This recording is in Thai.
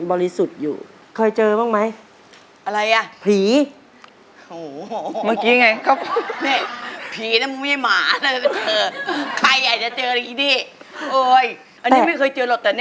พวกเราอาชีพพวกเรามันต้องนอนโรงแรมอยู่แล้วเนอะ